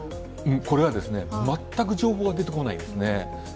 これは、全く情報が出てこないんですね。